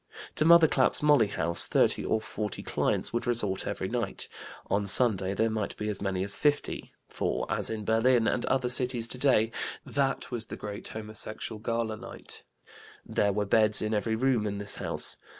To Mother Clap's Molly house 30 or 40 clients would resort every night; on Sunday there might be as many as 50, for, as in Berlin and other cities today, that was the great homosexual gala night; there were beds in every room in this house.